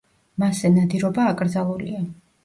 მასზე ნადირობა აკრძალულია.